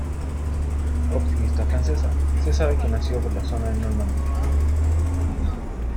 Optimista francesa, se sabe que nació por la zona de Normandía.